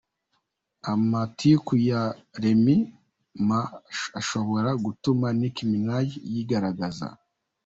Amatiku ya Remy Ma ashobora gutuma Nicki Minaj yigaragaza.